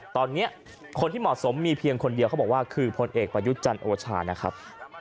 ตอนนี้คนที่เหมาะสมมีเพียงคนเดียวเขาบอกว่าคือพลเอกประยุทธ์จันทร์โอชานะครับ